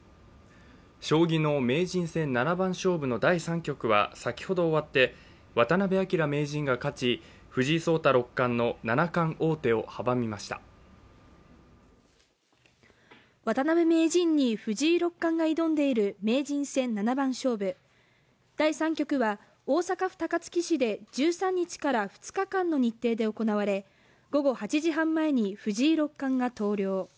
将棋の名人戦七番勝負の第３局は、先ほど終わって、渡辺明名人が勝ち、藤井聡太６冠の七冠大手を阻みました渡辺名人に藤井６冠が挑んでいる名人戦七番勝負第３局は、大阪府高槻市で１３日から２日間の日程で行われ、午後８時半前に藤井六冠が投了。